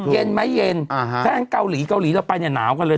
เย็นไหมเย็นอ่าฮะแท้งเกาหลีเกาหลีเราไปอย่างหนาวกันเลย